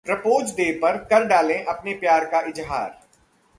propose day पर कर डालें अपने प्यार का इजहार